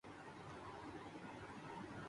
شہد کے استعمال پر ذرہ برابر فرق نہ پڑا۔